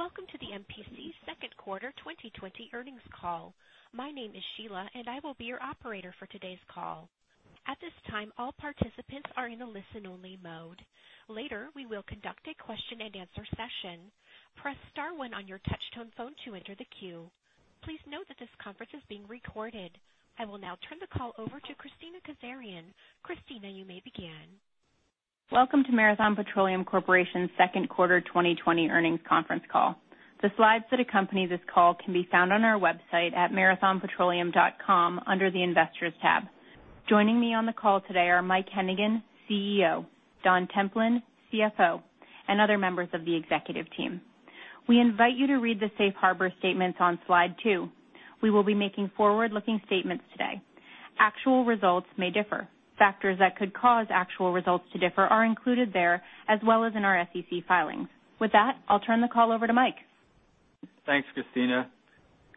Welcome to the MPC Q2 2020 earnings call. My name is Sheila and I will be your operator for today's call. At this time, all participants are in a listen-only mode. Later, we will conduct a question and answer session. Press star one on your touch-tone phone to enter the queue. Please note that this conference is being recorded. I will now turn the call over to Kristina Kazarian. Krristina, you may begin. Welcome to Marathon Petroleum Corporation's Q2 2020 earnings conference call. The slides that accompany this call can be found on our website at marathonpetroleum.com under the Investors tab. Joining me on the call today are Mike Hennigan, CEO, Don Templin, CFO, and other members of the executive team. We invite you to read the safe harbor statements on slide two. We will be making forward-looking statements today. Actual results may differ. Factors that could cause actual results to differ are included there, as well as in our SEC filings. With that, I'll turn the call over to Mike. Thanks, Kristina.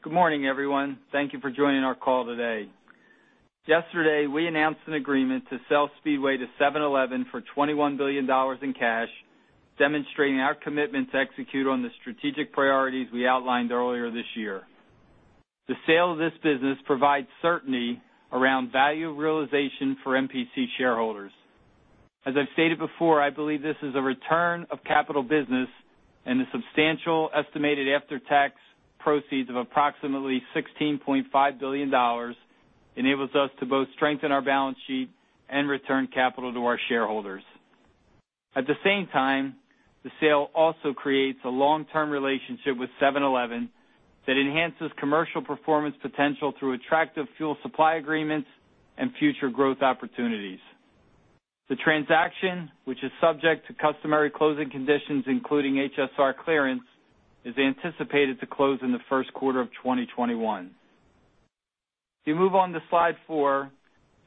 Good morning, everyone. Thank you for joining our call today. Yesterday, we announced an agreement to sell Speedway to seven-Eleven for $21 billion in cash, demonstrating our commitment to execute on the strategic priorities we outlined earlier this year. The sale of this business provides certainty around value realization for MPC shareholders. As I've stated before, I believe this is a return of capital business, and the substantial estimated after-tax proceeds of approximately $16.5 billion enables us to both strengthen our balance sheet and return capital to our shareholders. At the same time, the sale also creates a long-term relationship with seven-Eleven that enhances commercial performance potential through attractive fuel supply agreements and future growth opportunities. The transaction, which is subject to customary closing conditions, including HSR clearance, is anticipated to close in the Q1 of 2021. If you move on to slide four,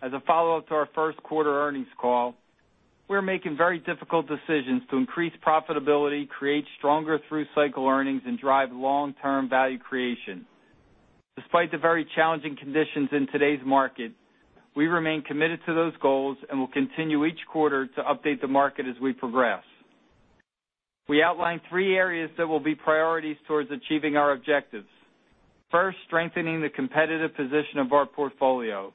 as a follow-up to our Q1 earnings call, we're making very difficult decisions to increase profitability, create stronger through-cycle earnings, and drive long-term value creation. Despite the very challenging conditions in today's market, we remain committed to those goals and will continue each quarter to update the market as we progress. We outlined three areas that will be priorities towards achieving our objectives. First, strengthening the competitive position of our portfolio.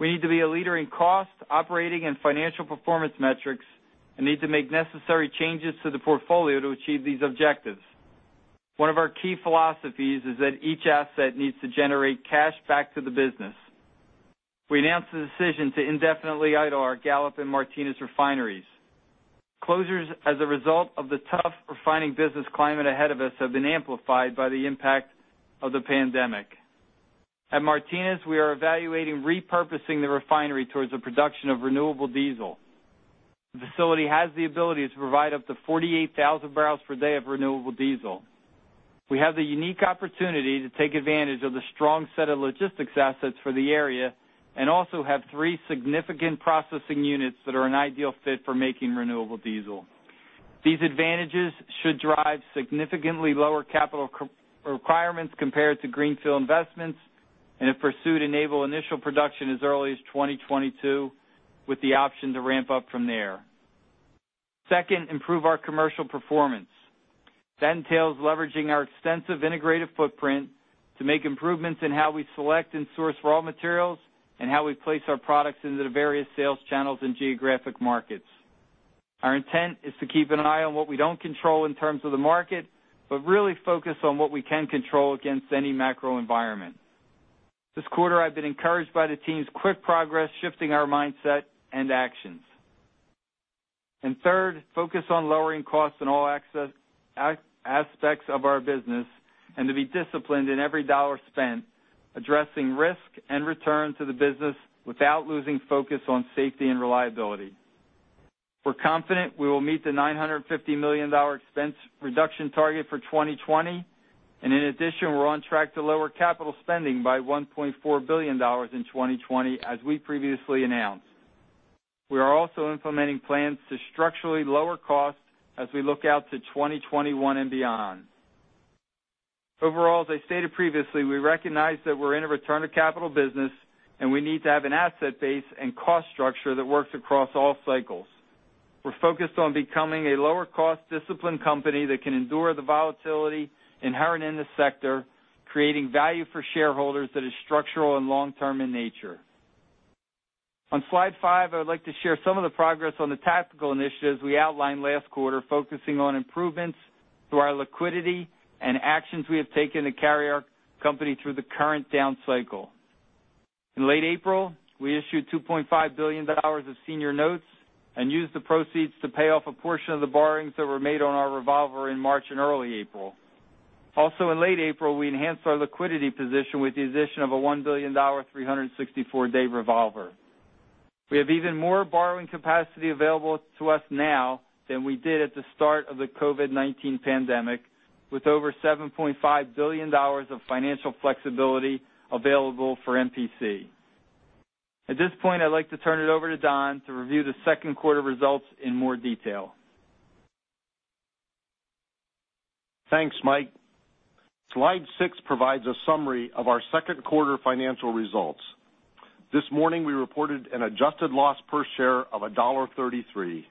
We need to be a leader in cost, operating, and financial performance metrics and need to make necessary changes to the portfolio to achieve these objectives. One of our key philosophies is that each asset needs to generate cash back to the business. We announced the decision to indefinitely idle our Gallup and Martinez refineries. Closures as a result of the tough refining business climate ahead of us have been amplified by the impact of the pandemic. At Martinez, we are evaluating repurposing the refinery towards the production of renewable diesel. The facility has the ability to provide up to 48,000 barrels per day of renewable diesel. We have the unique opportunity to take advantage of the strong set of logistics assets for the area and also have three significant processing units that are an ideal fit for making renewable diesel. These advantages should drive significantly lower capital requirements compared to greenfield investments, and if pursued, enable initial production as early as 2022, with the option to ramp up from there. Second, improve our commercial performance. That entails leveraging our extensive integrated footprint to make improvements in how we select and source raw materials and how we place our products into the various sales channels and geographic markets. Our intent is to keep an eye on what we don't control in terms of the market, but really focus on what we can control against any macro environment. This quarter, I've been encouraged by the team's quick progress shifting our mindset and actions. Third, focus on lowering costs in all aspects of our business and to be disciplined in every dollar spent addressing risk and return to the business without losing focus on safety and reliability. We're confident we will meet the $950 million expense reduction target for 2020, and in addition, we're on track to lower capital spending by $1.4 billion in 2020, as we previously announced. We are also implementing plans to structurally lower costs as we look out to 2021 and beyond. As I stated previously, we recognize that we're in a return on capital business, and we need to have an asset base and cost structure that works across all cycles. We're focused on becoming a lower-cost, disciplined company that can endure the volatility inherent in this sector, creating value for shareholders that is structural and long-term in nature. On slide five, I would like to share some of the progress on the tactical initiatives we outlined last quarter, focusing on improvements to our liquidity and actions we have taken to carry our company through the current down cycle. In late April, we issued $2.5 billion of senior notes and used the proceeds to pay off a portion of the borrowings that were made on our revolver in March and early April. Also, in late April, we enhanced our liquidity position with the addition of a $1 billion 364-day revolver. We have even more borrowing capacity available to us now than we did at the start of the COVID-19 pandemic, with over $7.5 billion of financial flexibility available for MPC. At this point, I'd like to turn it over to Don to review the Q2 results in more detail. Thanks, Mike. Slide six provides a summary of our second quarter financial results. This morning, we reported an adjusted loss per share of $1.33.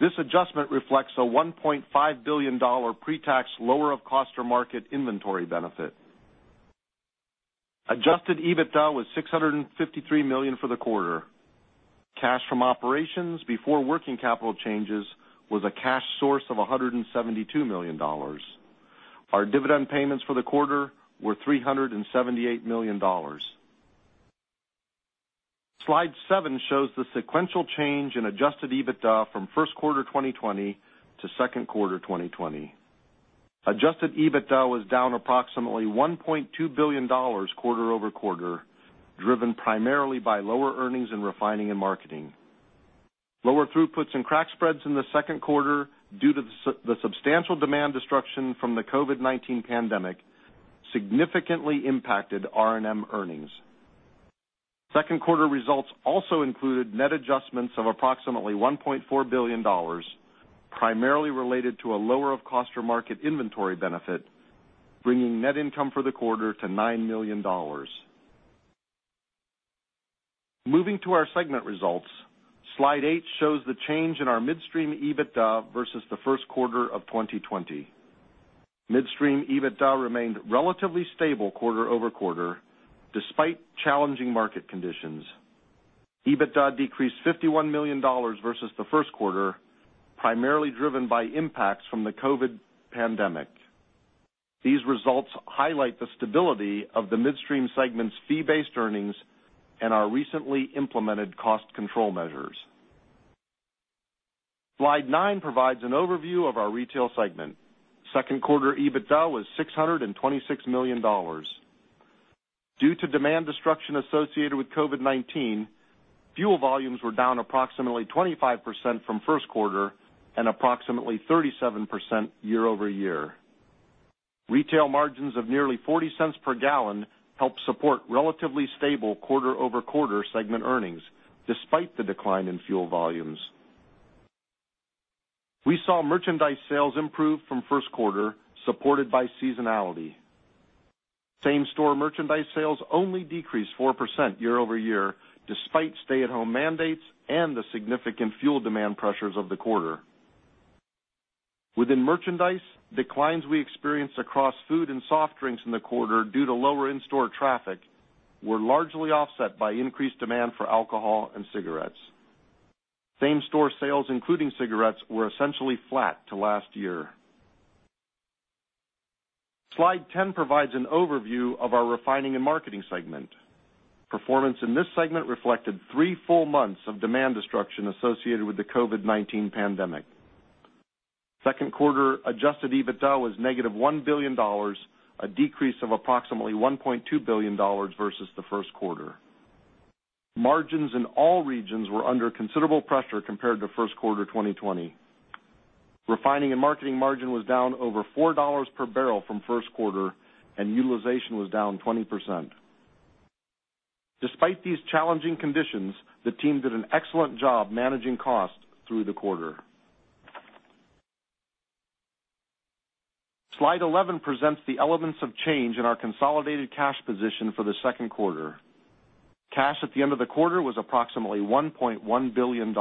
This adjustment reflects a $1.5 billion pre-tax lower of cost or market inventory benefit. Adjusted EBITDA was $653 million for the quarter. Cash from operations before working capital changes was a cash source of $172 million. Our dividend payments for the quarter were $378 million. Slide seven shows the sequential change in Adjusted EBITDA from Q1 2020 - Q2 2020. Adjusted EBITDA was down approximately $1.2 billion quarter-over-quarter, driven primarily by lower earnings in refining and marketing. Lower throughputs and crack spreads in the Q2 due to the substantial demand destruction from the COVID-19 pandemic significantly impacted R&M earnings. Second quarter results also included net adjustments of approximately $1.4 billion, primarily related to a lower of cost or market inventory benefit, bringing net income for the quarter to $9 million. Moving to our segment results, slide eight shows the change in our Midstream EBITDA versus the Q1 of 2020. Midstream EBITDA remained relatively stable quarter-over-quarter, despite challenging market conditions. EBITDA decreased $51 million versus the Q1, primarily driven by impacts from the COVID-19 pandemic. These results highlight the stability of the Midstream segment's fee-based earnings and our recently implemented cost control measures. Slide nine provides an overview of our Retail segment. Q2 EBITDA was $626 million. Due to demand destruction associated with COVID-19, fuel volumes were down approximately 25% from Q1 and approximately 37% year-over-year. Retail margins of nearly $0.40 per gallon helped support relatively stable quarter-over-quarter segment earnings, despite the decline in fuel volumes. We saw merchandise sales improve from Q1, supported by seasonality. Same-store merchandise sales only decreased four percent year-over-year, despite stay-at-home mandates and the significant fuel demand pressures of the quarter. Within merchandise, declines we experienced across food and soft drinks in the quarter due to lower in-store traffic were largely offset by increased demand for alcohol and cigarettes. Same-store sales, including cigarettes, were essentially flat to last year. Slide 10 provides an overview of our refining and marketing segment. Performance in this segment reflected three full months of demand destruction associated with the COVID-19 pandemic. Q1 adjusted EBITDA was negative $1 billion, a decrease of approximately $1.2 billion versus the Q1. Margins in all regions were under considerable pressure compared to Q1 2020. Refining and marketing margin was down over $4 per barrel from first quarter, and utilization was down 20%. Despite these challenging conditions, the team did an excellent job managing cost through the quarter. Slide 11 presents the elements of change in our consolidated cash position for the Q1. Cash at the end of the quarter was approximately $1.1 billion.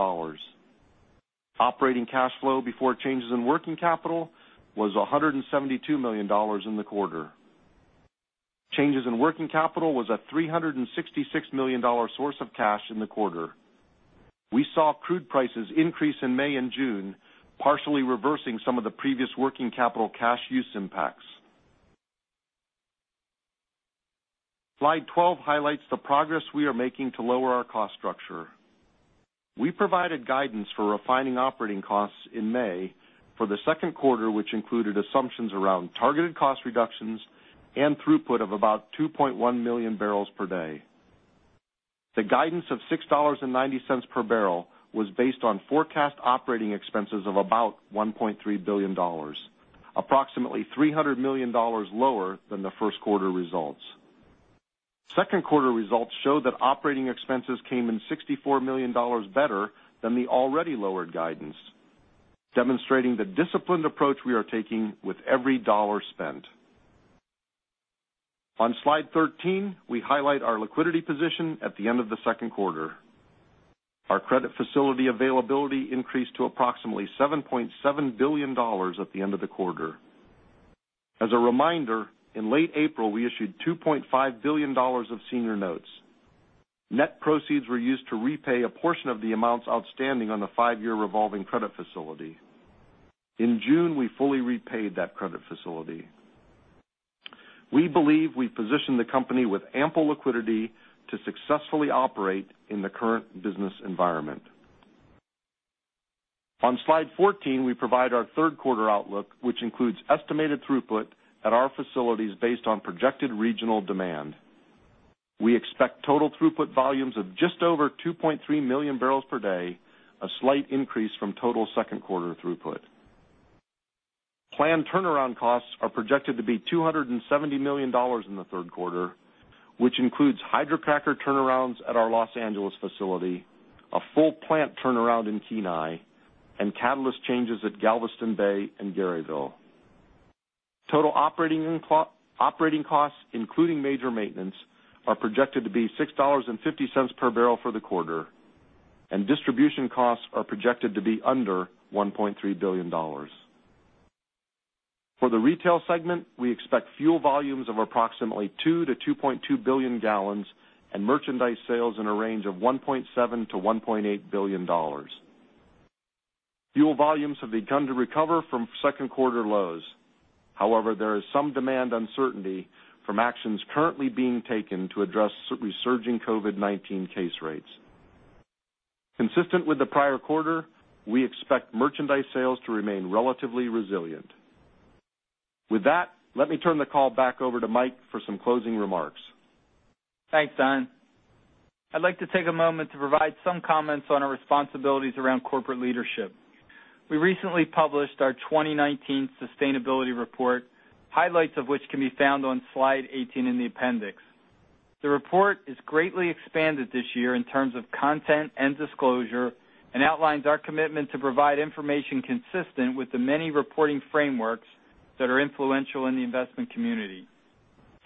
Operating cash flow before changes in working capital was $172 million in the quarter. Changes in working capital was a $366 million source of cash in the quarter. We saw crude prices increase in May and June, partially reversing some of the previous working capital cash use impacts. Slide 12 highlights the progress we are making to lower our cost structure. We provided guidance for refining operating costs in May for the Q2, which included assumptions around targeted cost reductions and throughput of about 2.1 million barrels per day. The guidance of $6.90 per barrel was based on forecast operating expenses of about $1.3 billion, approximately $300 million lower than the Q1 results. Second quarter results show that operating expenses came in $64 million better than the already lowered guidance, demonstrating the disciplined approach we are taking with every dollar spent. On slide 13, we highlight our liquidity position at the end of the Q2. Our credit facility availability increased to approximately $7.7 billion at the end of the quarter. As a reminder, in late April, we issued $2.5 billion of senior notes. Net proceeds were used to repay a portion of the amounts outstanding on the five-year revolving credit facility. In June, we fully repaid that credit facility. We believe we positioned the company with ample liquidity to successfully operate in the current business environment. On slide 14, we provide our Q3 outlook, which includes estimated throughput at our facilities based on projected regional demand. We expect total throughput volumes of just over 2.3 million barrels per day, a slight increase from total Q2 throughput. Planned turnaround costs are projected to be $270 million in the third quarter. Which includes hydrocracker turnarounds at our Los Angeles facility, a full plant turnaround in Kenai, and catalyst changes at Galveston Bay and Garyville. Total operating costs, including major maintenance, are projected to be $6.50 per barrel for the quarter, and distribution costs are projected to be under $1.3 billion. For the retail segment, we expect fuel volumes of approximately 2 billion-2.2 billion gallons and merchandise sales in a range of $1.7 billion-$1.8 billion. Fuel volumes have begun to recover from Q2 lows. There is some demand uncertainty from actions currently being taken to address resurging COVID-19 case rates. Consistent with the prior quarter, we expect merchandise sales to remain relatively resilient. With that, let me turn the call back over to Mike for some closing remarks. Thanks, Don. I'd like to take a moment to provide some comments on our responsibilities around corporate leadership. We recently published our 2019 sustainability report, highlights of which can be found on slide 18 in the appendix. The report is greatly expanded this year in terms of content and disclosure and outlines our commitment to provide information consistent with the many reporting frameworks that are influential in the investment community.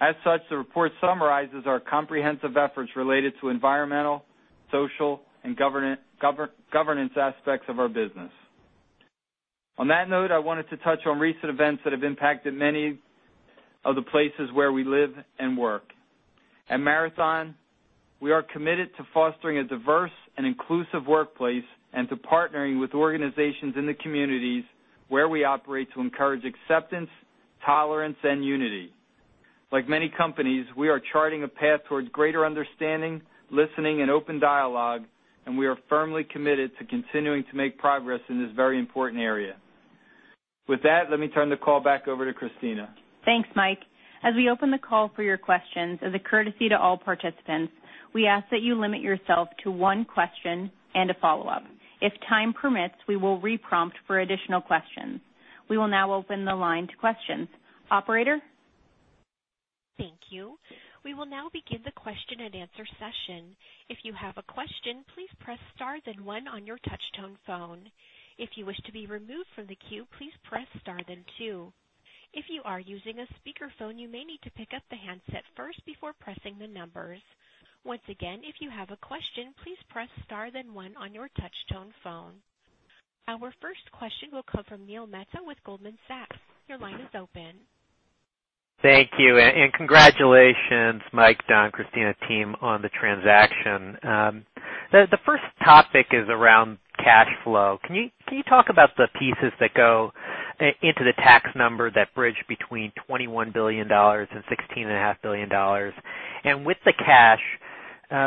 As such, the report summarizes our comprehensive efforts related to environmental, social, and governance aspects of our business. On that note, I wanted to touch on recent events that have impacted many of the places where we live and work. At Marathon, we are committed to fostering a diverse and inclusive workplace and to partnering with organizations in the communities where we operate to encourage acceptance, tolerance, and unity. Like many companies, we are charting a path towards greater understanding, listening, and open dialogue, and we are firmly committed to continuing to make progress in this very important area. With that, let me turn the call back over to Kristina. Thanks, Mike. As we open the call for your questions, as a courtesy to all participants, we ask that you limit yourself to one question and a follow-up. If time permits, we will re-prompt for additional questions. We will now open the line to questions. Operator? Thank you. We will now begin the question and answer session. If you have a question, please press star then one on your touch-tone phone. If you wish to be removed from the queue, please press star then two. If you are using a speakerphone, you may need to pick up the handset first before pressing the numbers. Once again, if you have a question, please press star then one on your touch-tone phone. Our first question will come from Neil Mehta with Goldman Sachs. Your line is open. Thank you, and congratulations Mike, Don, Christina, team on the transaction. The first topic is around cash flow. Can you talk about the pieces that go into the tax number that bridge between $21 billion and $16.5 billion? With the cash,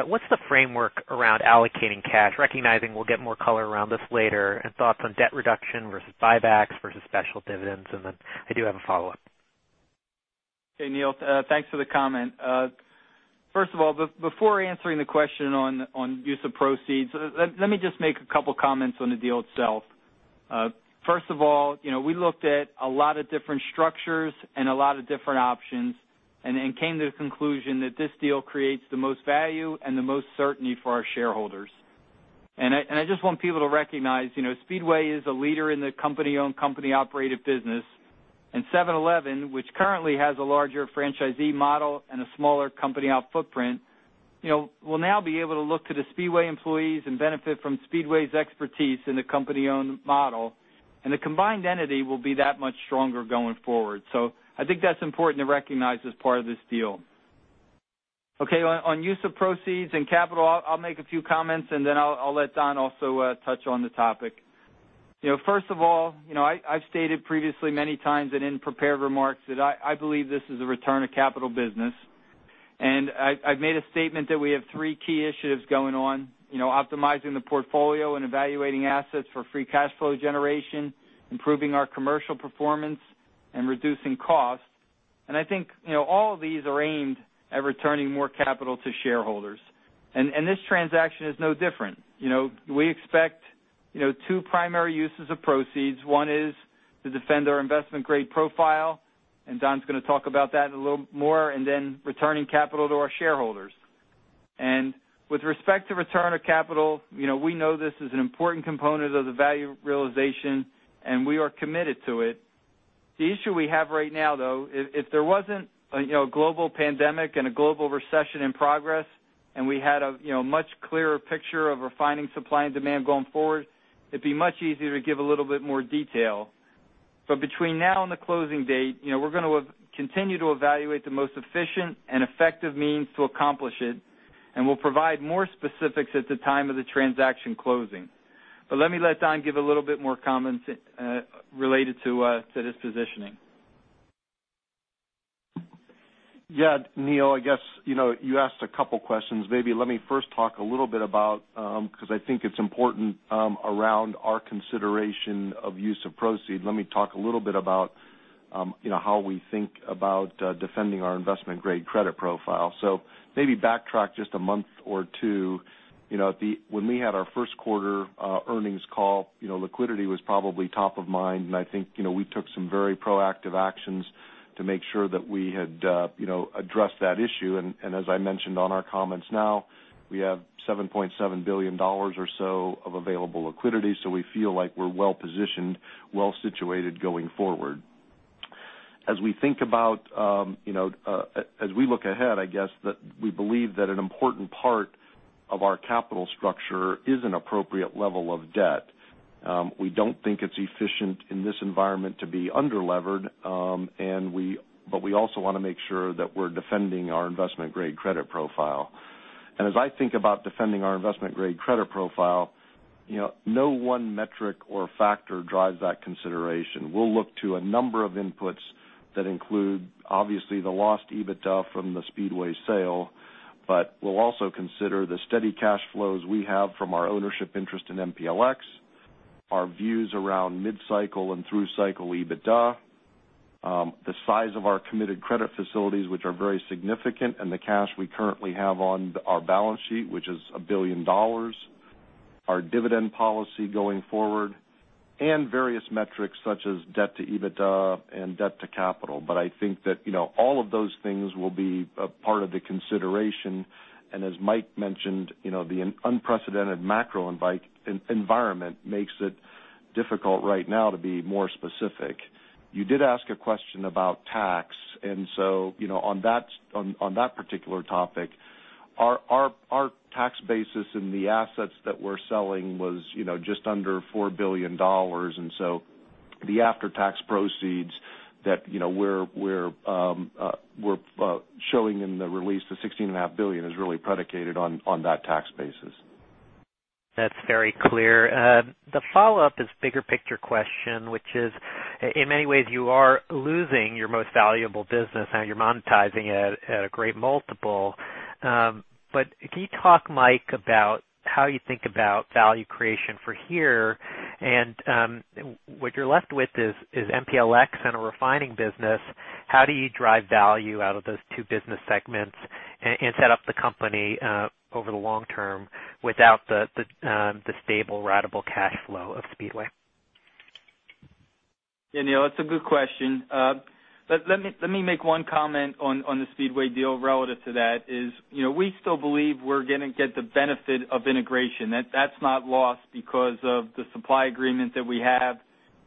what's the framework around allocating cash, recognizing we'll get more color around this later, and thoughts on debt reduction versus buybacks versus special dividends? Then I do have a follow-up. Okay, Neil, thanks for the comment. First of all, before answering the question on use of proceeds, let me just make a couple comments on the deal itself. First of all, we looked at a lot of different structures and a lot of different options and came to the conclusion that this deal creates the most value and the most certainty for our shareholders. I just want people to recognize Speedway is a leader in the company-owned, company-operated business, and seven-Eleven, which currently has a larger franchisee model and a smaller company footprint will now be able to look to the Speedway employees and benefit from Speedway's expertise in the company-owned model, and the combined entity will be that much stronger going forward. I think that's important to recognize as part of this deal. Okay, on use of proceeds and capital, I'll make a few comments and then I'll let Don also touch on the topic. First of all, I've stated previously many times and in prepared remarks that I believe this is a return of capital business, and I've made a statement that we have three key initiatives going on: optimizing the portfolio and evaluating assets for free cash flow generation, improving our commercial performance, and reducing costs. I think all of these are aimed at returning more capital to shareholders. This transaction is no different. We expect two primary uses of proceeds. One is to defend our investment-grade profile, and Don's going to talk about that a little more, and then returning capital to our shareholders. With respect to return of capital, we know this is an important component of the value realization, and we are committed to it. The issue we have right now, though, if there wasn't a global pandemic and a global recession in progress, and we had a much clearer picture of refining supply and demand going forward, it'd be much easier to give a little bit more detail. Between now and the closing date, we're going to continue to evaluate the most efficient and effective means to accomplish it, and we'll provide more specifics at the time of the transaction closing. Let me let Don give a little bit more comments related to this positioning. Yeah, Neil, I guess you asked a couple questions. Let me first talk a little bit about, because I think it's important around our consideration of use of proceed, let me talk a little bit about how we think about defending our investment-grade credit profile. Maybe backtrack just a month or two. When we had our Q1 earnings call, liquidity was probably top of mind, and I think we took some very proactive actions to make sure that we had addressed that issue. As I mentioned on our comments now, we have $7.7 billion or so of available liquidity, we feel like we're well-positioned, well-situated going forward. As we look ahead, I guess, we believe that an important part of our capital structure is an appropriate level of debt. We don't think it's efficient in this environment to be under-levered, but we also want to make sure that we're defending our investment-grade credit profile. As I think about defending our investment-grade credit profile, no one metric or factor drives that consideration. We'll look to a number of inputs that include, obviously, the lost EBITDA from the Speedway sale, but we'll also consider the steady cash flows we have from our ownership interest in MPLX, our views around mid-cycle and through cycle EBITDA, the size of our committed credit facilities, which are very significant, and the cash we currently have on our balance sheet, which is $1 billion, our dividend policy going forward, and various metrics such as debt to EBITDA and debt to capital. I think that all of those things will be a part of the consideration. As Mike mentioned, the unprecedented macro environment makes it difficult right now to be more specific. You did ask a question about tax. On that particular topic, our tax basis in the assets that we're selling was just under $4 billion. The after-tax proceeds that we're showing in the release, the $16.5 billion, is really predicated on that tax basis. That's very clear. The follow-up is bigger picture question, which is, in many ways, you are losing your most valuable business. Now you're monetizing it at a great multiple. Can you talk, Mike, about how you think about value creation for here? What you're left with is MPLX and a refining business. How do you drive value out of those two business segments and set up the company over the long term without the stable ratable cash flow of Speedway? Yeah, Neil, that's a good question. Let me make one comment on the Speedway deal relative to that is, we still believe we're going to get the benefit of integration. That's not lost because of the supply agreement that we have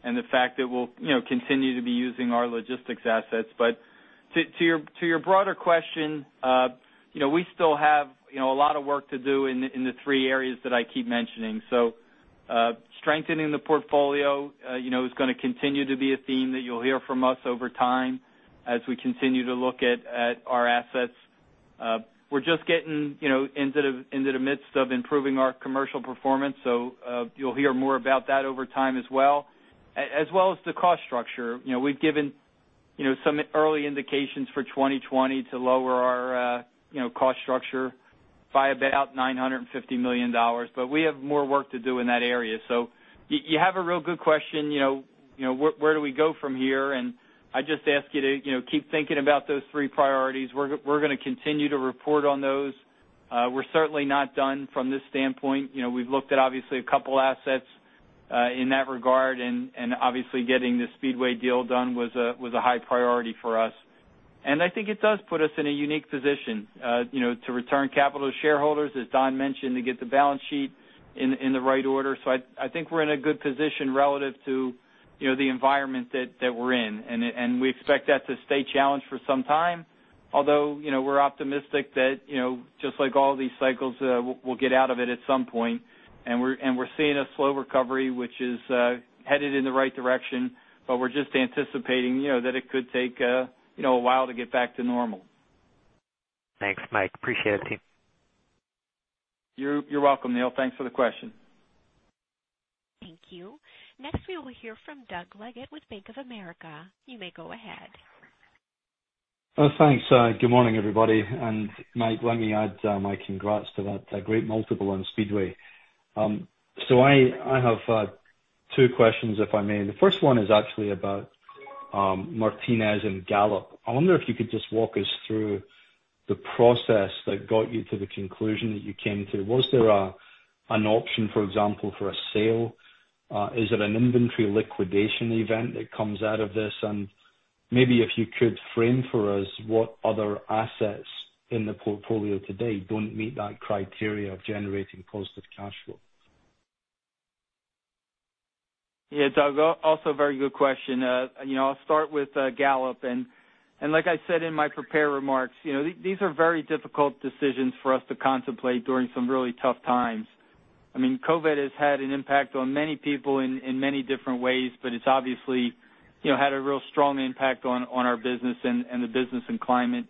and the fact that we'll continue to be using our logistics assets. To your broader question, we still have a lot of work to do in the three areas that I keep mentioning. Strengthening the portfolio is going to continue to be a theme that you'll hear from us over time as we continue to look at our assets. We're just getting into the midst of improving our commercial performance. You'll hear more about that over time as well as the cost structure. We've given some early indications for 2020 to lower our cost structure by about $950 million, but we have more work to do in that area. You have a real good question, where do we go from here? I just ask you to keep thinking about those three priorities. We're going to continue to report on those. We're certainly not done from this standpoint. We've looked at, obviously, a couple assets in that regard, and obviously getting the Speedway deal done was a high priority for us. I think it does put us in a unique position to return capital to shareholders, as Don mentioned, to get the balance sheet in the right order. I think we're in a good position relative to the environment that we're in, and we expect that to stay challenged for some time. We're optimistic that just like all these cycles, we'll get out of it at some point. We're seeing a slow recovery, which is headed in the right direction, but we're just anticipating that it could take a while to get back to normal. Thanks, Mike. Appreciate it, team. You're welcome, Neil. Thanks for the question. Thank you. Next, we will hear from Douglas Leggate with Bank of America. You may go ahead. Thanks. Good morning, everybody. Mike, let me add my congrats to that great multiple on Speedway. I have two questions, if I may. The first one is actually about Martinez and Gallup. I wonder if you could just walk us through the process that got you to the conclusion that you came to. Was there an option, for example, for a sale? Is it an inventory liquidation event that comes out of this? Maybe if you could frame for us what other assets in the portfolio today don't meet that criteria of generating positive cash flow. Yeah, Doug, also a very good question. I'll start with Gallup. Like I said in my prepared remarks, these are very difficult decisions for us to contemplate during some really tough times. I mean, COVID has had an impact on many people in many different ways, but it's obviously had a real strong impact on our business and the business and climate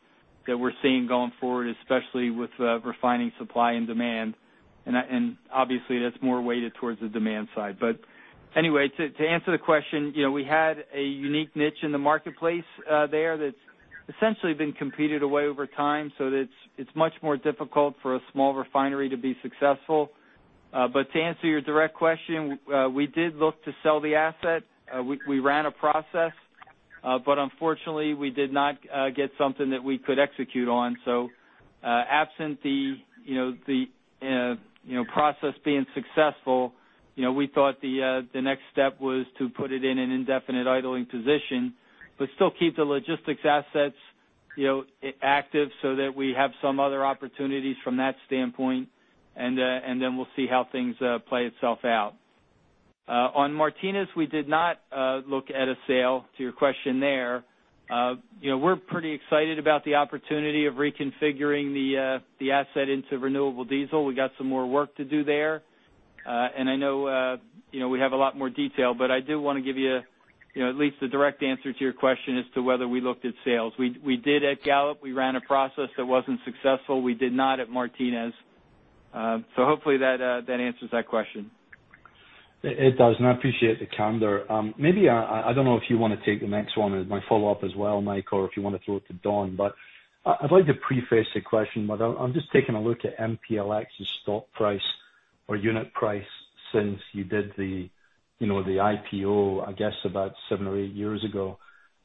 that we're seeing going forward, especially with refining supply and demand. Obviously, that's more weighted towards the demand side. Anyway, to answer the question, we had a unique niche in the marketplace there that's essentially been competed away over time. It's much more difficult for a small refinery to be successful. But to answer your direct question, we did look to sell the asset. We ran a process, but unfortunately we did not get something that we could execute on. Absent the process being successful, we thought the next step was to put it in an indefinite idling position, but still keep the logistics assets active so that we have some other opportunities from that standpoint. Then we'll see how things play itself out. On Martinez, we did not look at a sale, to your question there. We're pretty excited about the opportunity of reconfiguring the asset into renewable diesel. We got some more work to do there. I know we have a lot more detail, but I do want to give you at least a direct answer to your question as to whether we looked at sales. We did at Gallup. We ran a process that wasn't successful. We did not at Martinez. Hopefully that answers that question. It does, and I appreciate the candor. Maybe, I don't know if you want to take the next one as my follow-up as well, Mike, or if you want to throw it to Don, I'd like to preface the question with, I'm just taking a look at MPLX's stock price or unit price since you did the IPO, I guess about seven or eight years ago,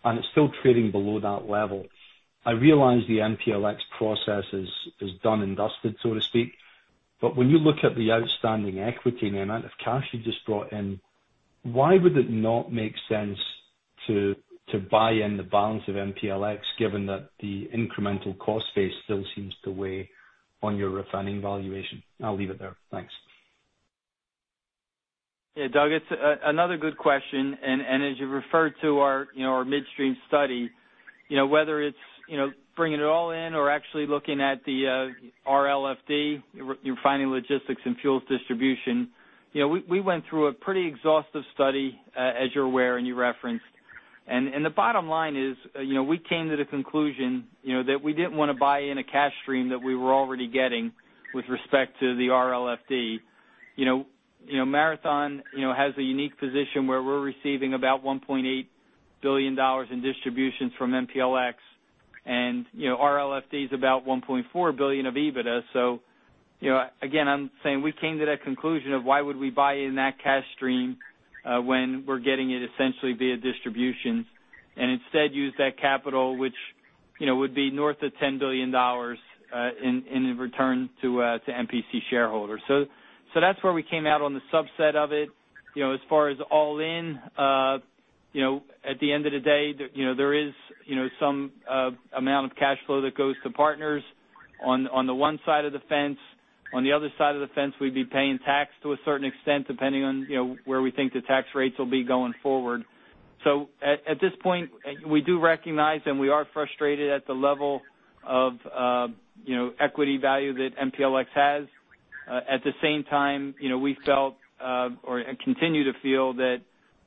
and it's still trading below that level. I realize the MPLX process is done and dusted, so to speak. When you look at the outstanding equity and the amount of cash you just brought in, why would it not make sense to buy in the balance of MPLX given that the incremental cost base still seems to weigh on your refining valuation? I'll leave it there. Thanks. Doug, it's another good question. As you referred to our midstream study, whether it's bringing it all in or actually looking at the RLFD, Refining, Logistics and Fuels Distribution, we went through a pretty exhaustive study, as you're aware, and you referenced. The bottom line is, we came to the conclusion that we didn't want to buy in a cash stream that we were already getting with respect to the RLFD. Marathon has a unique position where we're receiving about $1.8 billion in distributions from MPLX. RLFD is about $1.4 billion of EBITDA. Again, I'm saying we came to that conclusion of why would we buy in that cash stream when we're getting it essentially via distributions, and instead use that capital, which would be north of $10 billion in return to MPC shareholders. That's where we came out on the subset of it. As far as all in, at the end of the day, there is some amount of cash flow that goes to partners on the one side of the fence. On the other side of the fence, we'd be paying tax to a certain extent, depending on where we think the tax rates will be going forward. At this point, we do recognize, and we are frustrated at the level of equity value that MPLX has. At the same time, we felt, or continue to feel that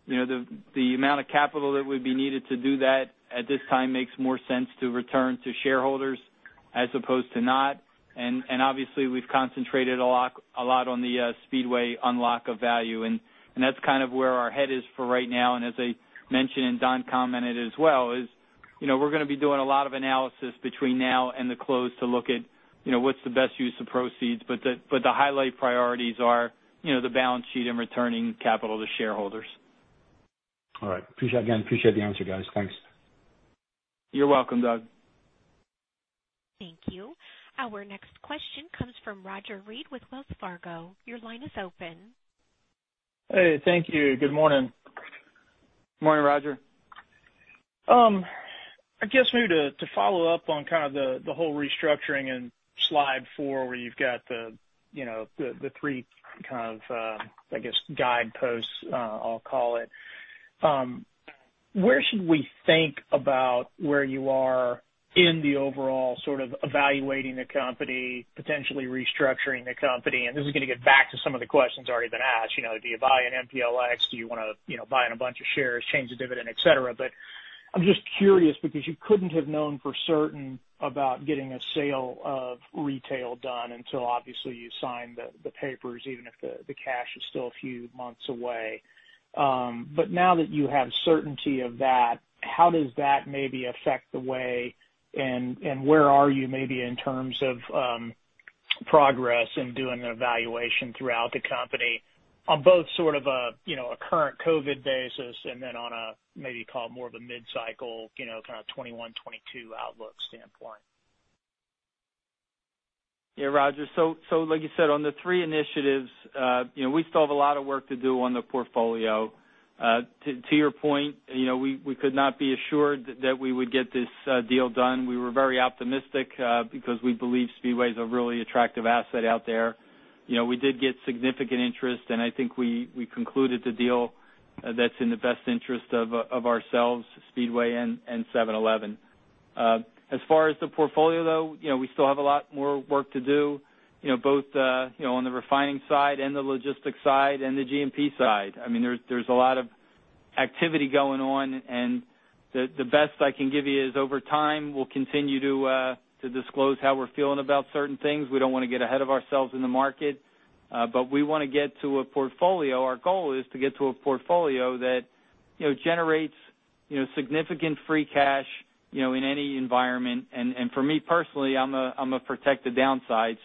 the amount of capital that would be needed to do that at this time makes more sense to return to shareholders as opposed to not. Obviously, we've concentrated a lot on the Speedway unlock of value, and that's kind of where our head is for right now. As I mentioned, and Don commented as well, is we're going to be doing a lot of analysis between now and the close to look at what's the best use of proceeds. The highlight priorities are the balance sheet and returning capital to shareholders. All right. Again, appreciate the answer, guys. Thanks. You're welcome, Doug. Thank you. Our next question comes from Roger Read with Wells Fargo. Your line is open. Hey, thank you. Good morning. Morning, Roger. I guess maybe to follow up on kind of the whole restructuring and slide four, where you've got the three kind of, I guess, guideposts, I'll call it. Where should we think about where you are in the overall sort of evaluating the company, potentially restructuring the company? This is going to get back to some of the questions already been asked. Do you buy in MPLX? Do you want to buy in a bunch of shares, change the dividend, et cetera? I'm just curious because you couldn't have known for certain about getting a sale of retail done until obviously you signed the papers, even if the cash is still a few months away. Now that you have certainty of that, how does that maybe affect the way, and where are you maybe in terms of progress in doing an evaluation throughout the company on both sort of a current COVID basis, and then on a maybe call it more of a mid-cycle kind of 2021, 2022 outlook standpoint? Roger, like you said, on the three initiatives, we still have a lot of work to do on the portfolio. To your point, we could not be assured that we would get this deal done. We were very optimistic because we believe Speedway is a really attractive asset out there. We did get significant interest, and I think we concluded the deal that's in the best interest of ourselves, Speedway, and seven-Eleven. As far as the portfolio, though, we still have a lot more work to do, both on the refining side and the logistics side and the G&MP side. I mean, there's a lot of activity going on, and the best I can give you is over time, we'll continue to disclose how we're feeling about certain things. We don't want to get ahead of ourselves in the market, but we want to get to a portfolio. Our goal is to get to a portfolio that generates significant free cash in any environment. For me personally, I'm a protect the downside.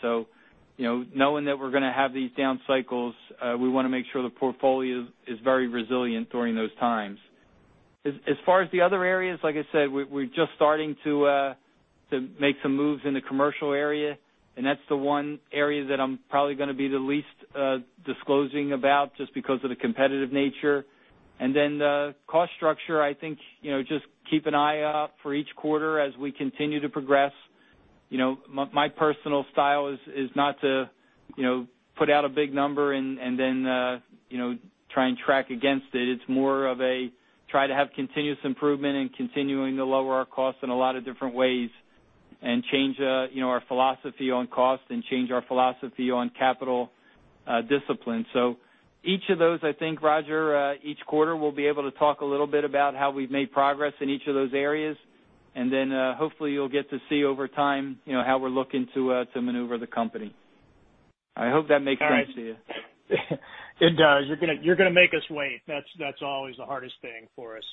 Knowing that we're going to have these down cycles, we want to make sure the portfolio is very resilient during those times. As far as the other areas, like I said, we're just starting to make some moves in the commercial area, and that's the one area that I'm probably going to be the least disclosing about just because of the competitive nature. The cost structure, I think, just keep an eye out for each quarter as we continue to progress. My personal style is not to put out a big number and then try and track against it. It's more of a try to have continuous improvement and continuing to lower our costs in a lot of different ways and change our philosophy on cost and change our philosophy on capital discipline. Each of those, I think, Roger, each quarter we'll be able to talk a little bit about how we've made progress in each of those areas, and then hopefully you'll get to see over time how we're looking to maneuver the company. I hope that makes sense to you. It does. You're going to make us wait. That's always the hardest thing for us.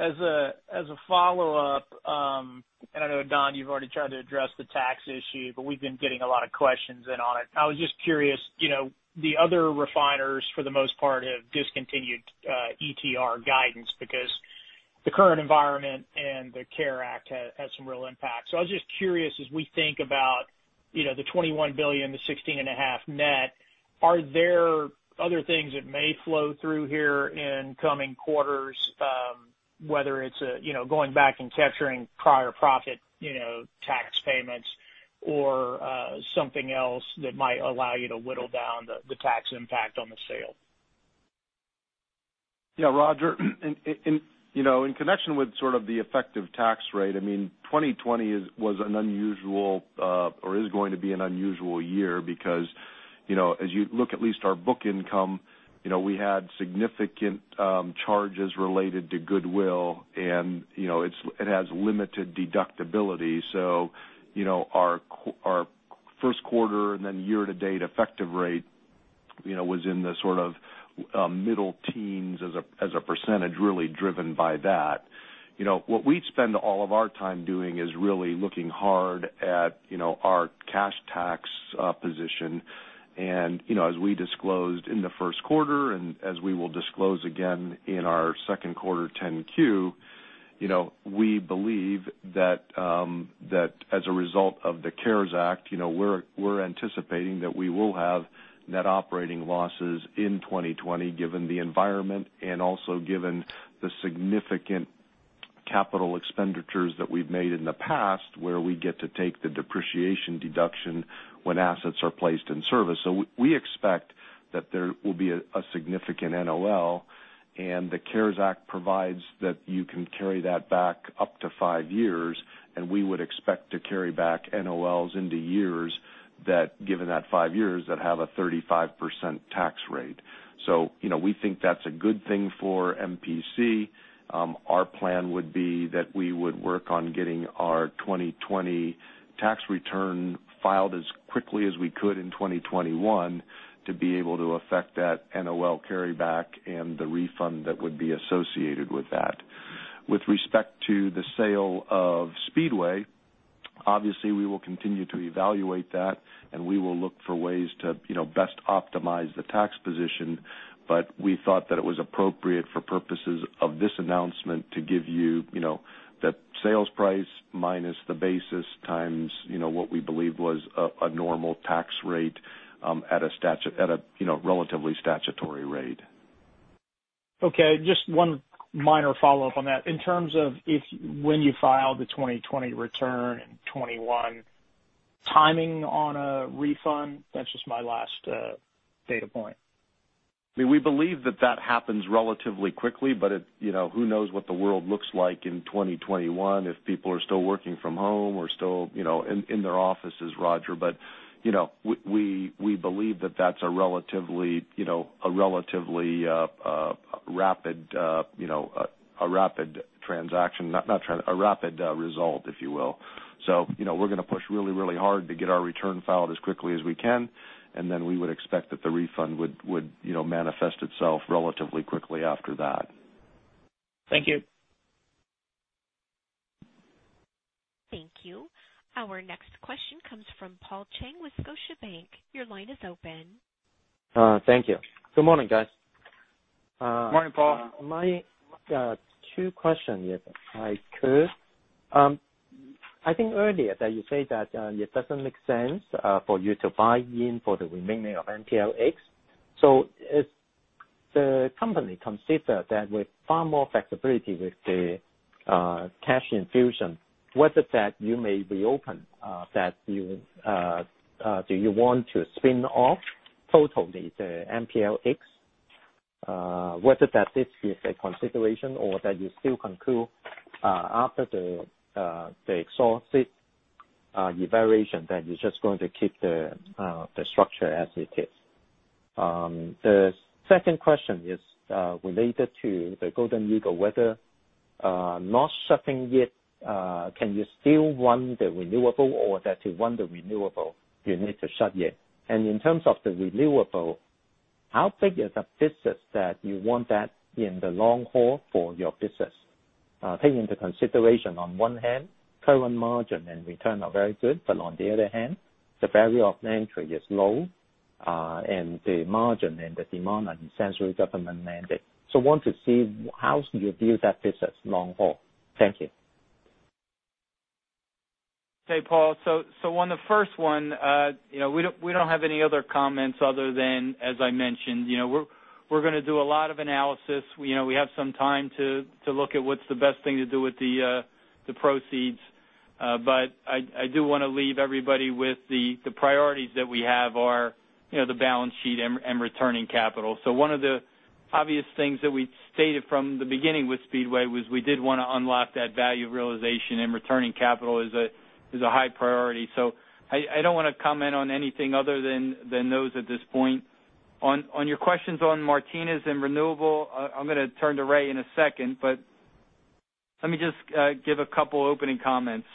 As a follow-up, and I know, Don, you've already tried to address the tax issue, but we've been getting a lot of questions in on it. I was just curious, the other refiners, for the most part, have discontinued ETR guidance because the current environment and the CARES Act has some real impact. I was just curious, as we think about the $21 billion, the $16.5 net, are there other things that may flow through here in coming quarters? Whether it's going back and capturing prior profit tax payments or something else that might allow you to whittle down the tax impact on the sale? Yeah. Roger, in connection with sort of the effective tax rate, 2020 was an unusual or is going to be an unusual year because as you look at least our book income, we had significant charges related to goodwill, and it has limited deductibility. Our Q1 and then year-to-date effective rate was in the sort of middle teens as a %, really driven by that. What we spend all of our time doing is really looking hard at our cash tax position. As we disclosed in the Q1, as we will disclose again in our Q2 10-Q, we believe that as a result of the CARES Act, we're anticipating that we will have net operating losses in 2020 given the environment and also given the significant capital expenditures that we've made in the past where we get to take the depreciation deduction when assets are placed in service. We expect that there will be a significant NOL, and the CARES Act provides that you can carry that back up to five years, and we would expect to carry back NOLs into years that, given that five years, that have a 35% tax rate. We think that's a good thing for MPC. Our plan would be that we would work on getting our 2020 tax return filed as quickly as we could in 2021 to be able to affect that NOL carryback and the refund that would be associated with that. With respect to the sale of Speedway, obviously, we will continue to evaluate that, and we will look for ways to best optimize the tax position. We thought that it was appropriate for purposes of this announcement to give you the sales price minus the basis times what we believe was a normal tax rate at a relatively statutory rate. Okay. Just one minor follow-up on that. In terms of when you file the 2020 return and 2021 timing on a refund? That's just my last data point. We believe that that happens relatively quickly, who knows what the world looks like in 2021, if people are still working from home or still in their offices, Roger. We believe that that's a relatively rapid result, if you will. We're going to push really, really hard to get our return filed as quickly as we can, and then we would expect that the refund would manifest itself relatively quickly after that. Thank you. Thank you. Our next question comes from Paul Cheng with Scotiabank. Your line is open. Thank you. Good morning, guys. Morning, Paul. My two questions, if I could. I think earlier that you said that it doesn't make sense for you to buy in for the remaining of MPLX. If the company considers that with far more flexibility with the cash infusion, whether that you may reopen, do you want to spin off totally the MPLX? Whether that this is a consideration or that you still conclude after the exhaustive evaluation that you're just going to keep the structure as it is? The second question is related to the Golden Eagle, whether not shutting yet, can you still run the renewable, or that to run the renewable, you need to shut yet? In terms of the renewable, how big is that business that you want that in the long haul for your business? Taking into consideration on one hand, current margin and return are very good, but on the other hand, the barrier of entry is low, and the margin and the demand are essentially government-mandated. Want to see how you view that business long haul. Thank you. Hey, Paul. On the first one, we don't have any other comments other than, as I mentioned. We're going to do a lot of analysis. We have some time to look at what's the best thing to do with the proceeds. I do want to leave everybody with the priorities that we have are the balance sheet and returning capital. One of the obvious things that we stated from the beginning with Speedway was we did want to unlock that value realization, and returning capital is a high priority. I don't want to comment on anything other than those at this point. On your questions on Martinez and renewable, I'm going to turn to Ray in a second, but let me just give a couple opening comments.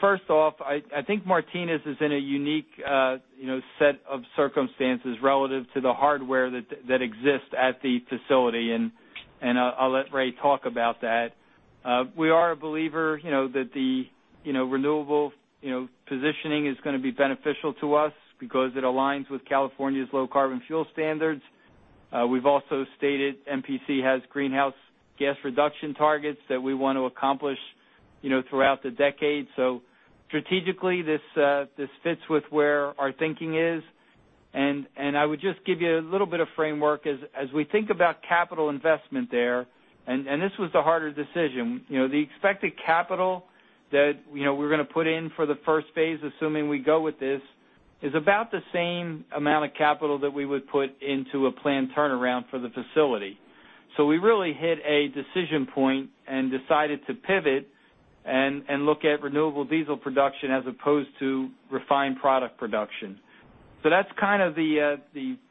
First off, I think Martinez is in a unique set of circumstances relative to the hardware that exists at the facility, and I'll let Ray talk about that. We are a believer that the renewable positioning is going to be beneficial to us because it aligns with California's Low Carbon Fuel Standard. We've also stated MPC has greenhouse gas reduction targets that we want to accomplish throughout the decade. Strategically, this fits with where our thinking is. I would just give you a little bit of framework, as we think about capital investment there, and this was the harder decision. The expected capital that we're going to put in for the first phase, assuming we go with this, is about the same amount of capital that we would put into a planned turnaround for the facility. We really hit a decision point and decided to pivot and look at renewable diesel production as opposed to refined product production. That's kind of the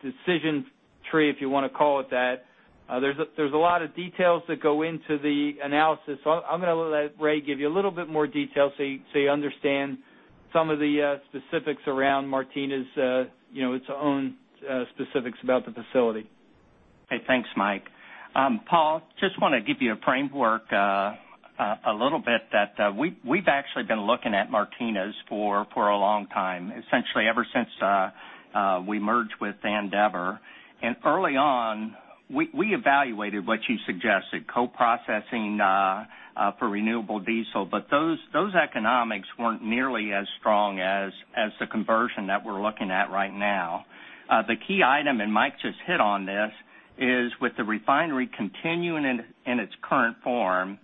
decision tree, if you want to call it that. There's a lot of details that go into the analysis. I'm going to let Ray give you a little bit more detail so you understand some of the specifics around Martinez, its own specifics about the facility. Hey, thanks, Mike. Paul, just want to give you a framework a little bit that we've actually been looking at Martinez for a long time, essentially ever since we merged with Andeavor. Early on, we evaluated what you suggested, co-processing for renewable diesel, but those economics weren't nearly as strong as the conversion that we're looking at right now. The key item, and Mike just hit on this, is with the refinery continuing in its current form,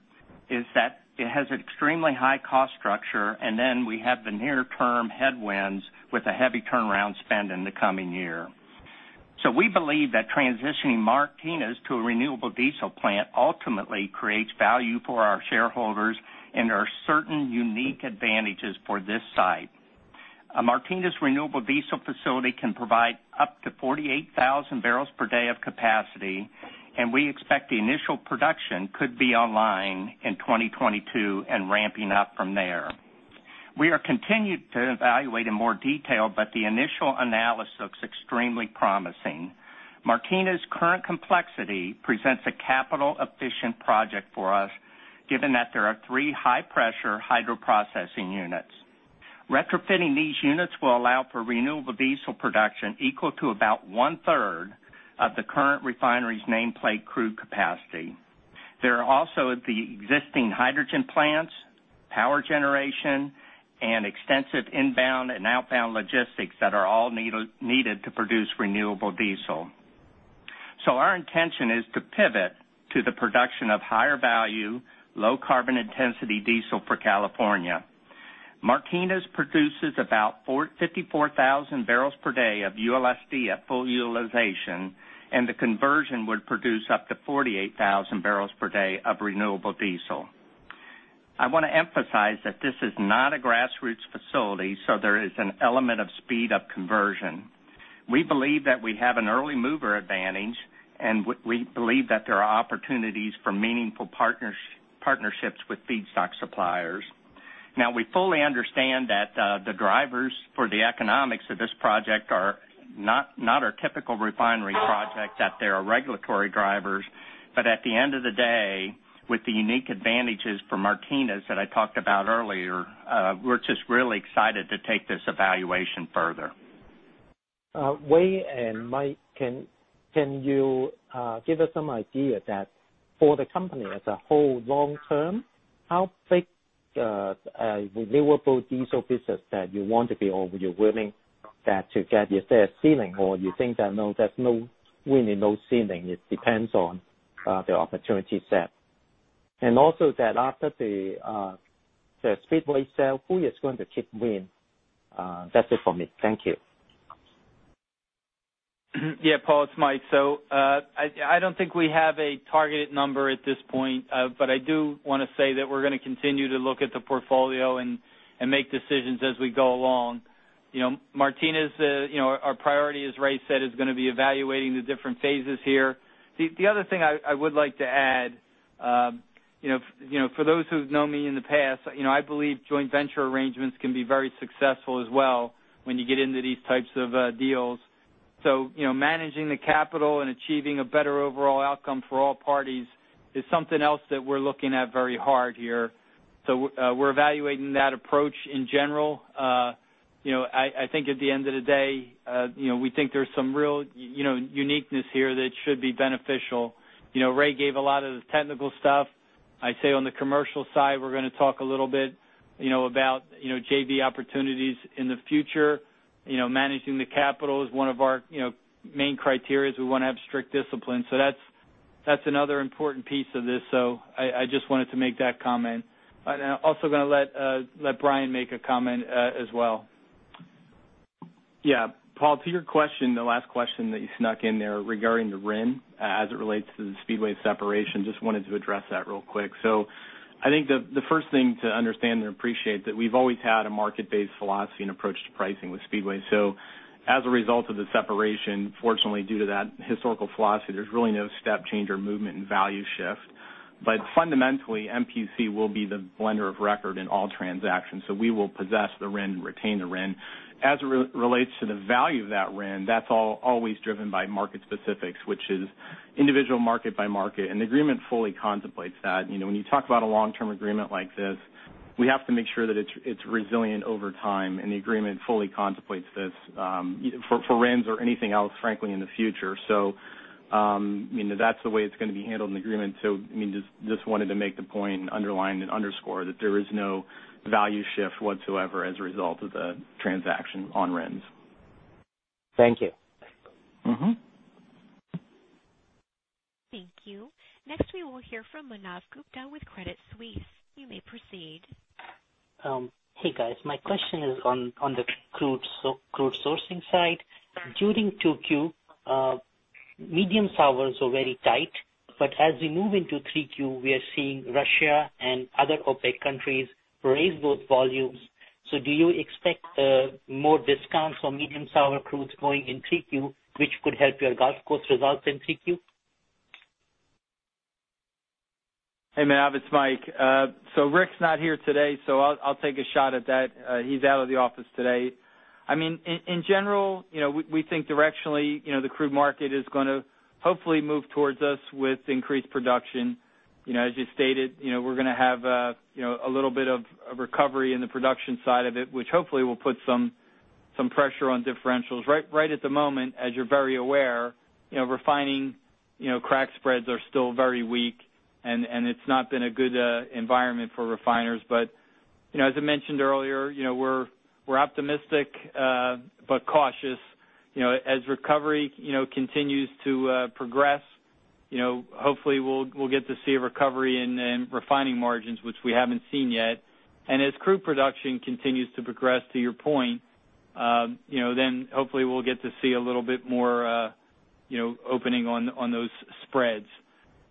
is that it has extremely high cost structure. Then we have the near-term headwinds with a heavy turnaround spend in the coming year. We believe that transitioning Martinez to a renewable diesel plant ultimately creates value for our shareholders and there are certain unique advantages for this site. A Martinez renewable diesel facility can provide up to 48,000 barrels per day of capacity. We expect the initial production could be online in 2022 and ramping up from there. We are continuing to evaluate in more detail, but the initial analysis looks extremely promising. Martinez current complexity presents a capital-efficient project for us, given that there are three high-pressure hydroprocessing units. Retrofitting these units will allow for renewable diesel production equal to about one-third of the current refinery's nameplate crude capacity. There are also the existing hydrogen plants, power generation, and extensive inbound and outbound logistics that are all needed to produce renewable diesel. Our intention is to pivot to the production of higher value, low carbon intensity diesel for California. Martinez produces about 54,000 barrels per day of ULSD at full utilization, and the conversion would produce up to 48,000 barrels per day of renewable diesel. I want to emphasize that this is not a grassroots facility, so there is an element of speed of conversion. We believe that we have an early mover advantage, and we believe that there are opportunities for meaningful partnerships with feedstock suppliers. We fully understand that the drivers for the economics of this project are not our typical refinery project, that there are regulatory drivers. At the end of the day, with the unique advantages for Martinez that I talked about earlier, we're just really excited to take this evaluation further. Ray and Mike, can you give us some idea that for the company as a whole long term, how big a renewable diesel business that you want to be, or you're willing that to get, you say, a ceiling, or you think that, no, there's really no ceiling, it depends on the opportunity set? Also that after the Speedway sale, who is going to keep win? That's it for me. Thank you. Yeah, Paul, it's Mike. I don't think we have a targeted number at this point. I do want to say that we're going to continue to look at the portfolio and make decisions as we go along. Martinez, our priority, as Ray said, is going to be evaluating the different phases here. The other thing I would like to add, for those who've known me in the past, I believe joint venture arrangements can be very successful as well when you get into these types of deals. Managing the capital and achieving a better overall outcome for all parties is something else that we're looking at very hard here. We're evaluating that approach in general. I think at the end of the day, we think there's some real uniqueness here that should be beneficial. Ray gave a lot of the technical stuff. I'd say on the commercial side, we're going to talk a little bit about JV opportunities in the future. Managing the capital is one of our main criteria. We want to have strict discipline. That's another important piece of this, so I just wanted to make that comment. I'm also going to let Brian make a comment as well. Yeah. Paul, to your question, the last question that you snuck in there regarding the RIN as it relates to the Speedway separation, just wanted to address that real quick. I think the first thing to understand and appreciate is that we've always had a market-based philosophy and approach to pricing with Speedway. As a result of the separation, fortunately, due to that historical philosophy, there's really no step change or movement in value shift. Fundamentally, MPC will be the blender of record in all transactions, so we will possess the RIN, retain the RIN. As it relates to the value of that RIN, that's always driven by market specifics, which is individual market by market, and the agreement fully contemplates that. When you talk about a long-term agreement like this, we have to make sure that it's resilient over time, and the agreement fully contemplates this for RINs or anything else, frankly, in the future. That's the way it's going to be handled in the agreement. Just wanted to make the point and underline and underscore that there is no value shift whatsoever as a result of the transaction on RINs. Thank you. Thank you. Next, we will hear from Manav Gupta with Credit Suisse. You may proceed. Hey, guys. My question is on the crude sourcing side. During 2Q, medium sours were very tight, but as we move into 3Q, we are seeing Russia and other OPEC countries raise those volumes. Do you expect more discounts on medium sour crudes going in 3Q, which could help your Gulf Coast results in 3Q? Hey, Manav, it's Mike. Rick's not here today, so I'll take a shot at that. He's out of the office today. In general, we think directionally, the crude market is going to hopefully move towards us with increased production. As you stated, we're going to have a little bit of a recovery in the production side of it, which hopefully will put some pressure on differentials. Right at the moment, as you're very aware, refining crack spreads are still very weak, and it's not been a good environment for refiners. As I mentioned earlier, we're optimistic but cautious. As recovery continues to progress, hopefully we'll get to see a recovery in refining margins, which we haven't seen yet. As crude production continues to progress, to your point, hopefully we'll get to see a little bit more opening on those spreads.